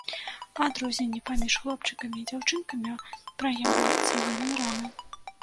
Адрозненні паміж хлопчыкамі і дзяўчынкамі праяўляюцца вельмі рана.